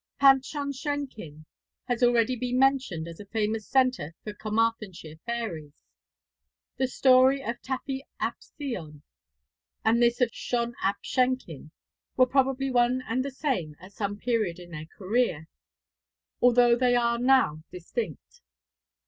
Pant Shon Shenkin has already been mentioned as a famous centre for Carmarthenshire fairies. The story of Taffy ap Sion and this of Shon ap Shenkin were probably one and the same at some period in their career, although they are now distinct.